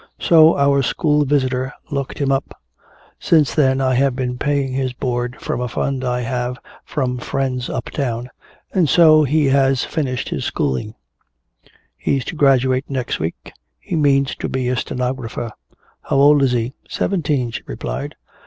So our school visitor looked him up. Since then I have been paying his board from a fund I have from friends uptown, and so he has finished his schooling. He's to graduate next week. He means to be a stenographer." "How old is he?" "Seventeen," she replied.